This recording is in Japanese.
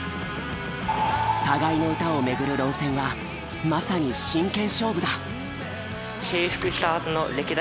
互いの歌を巡る論戦はまさに真剣勝負だ。